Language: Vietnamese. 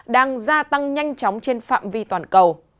đang gia tăng nhanh chóng trên phạm vi toàn cầu